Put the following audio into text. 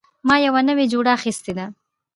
ما یوه نوې جوړه اخیستې ده